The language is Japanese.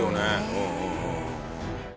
うんうんうんうん。